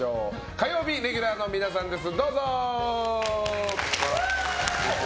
火曜日レギュラーの皆さんです。